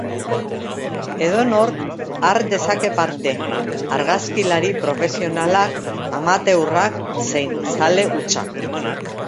Edonork har dezake parte, argazkilari profesionalak, amateurrak zein zale hutsak.